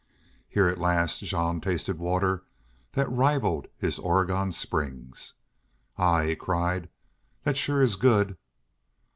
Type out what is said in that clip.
Here at last Jean tasted water that rivaled his Oregon springs. "Ah," he cried, "that sure is good!"